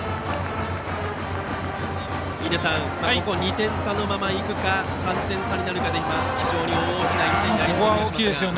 ここを２点差のままでいくか３点差になるかで今非常に大きくなりそうですが。